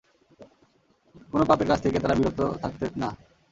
কোন পাপের কাজ থেকেই তারা বিরত থাকত না।